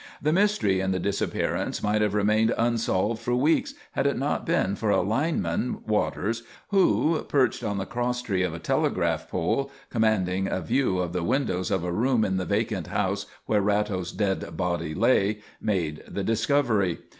The mystery in the disappearance might have remained unsolved for weeks had it not been for a lineman, Waters, who, perched on the cross tree of a telegraph pole commanding a view of the windows of a room in the vacant house where Ratto's dead body lay, made the discovery.